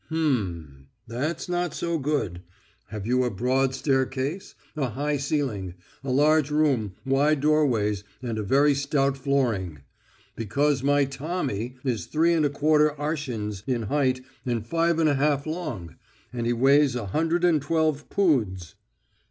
"H'm.... That's not so good.... Have you a broad staircase, a high ceiling, a large room, wide doorways, and a very stout flooring. Because my 'Tommy' is three and a quarter arshins in height and five and a half long. And he weighs a hundred and twelve poods."